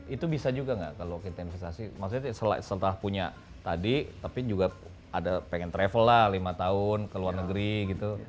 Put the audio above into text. itu bisa juga nggak kalau kita investasi maksudnya setelah punya tadi tapi juga ada pengen travel lah lima tahun ke luar negeri gitu